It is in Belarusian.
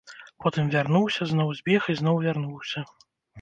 Потым вярнуўся, зноў збег і зноў вярнуўся.